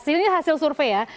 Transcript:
ini hasil survei ya